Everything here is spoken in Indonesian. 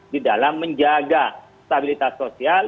di dalam menjaga stabilitas sosial